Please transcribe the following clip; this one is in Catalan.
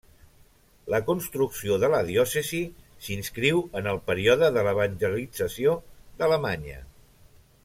La construcció de la diòcesi s'inscriu en el període de l'evangelització d'Alemanya.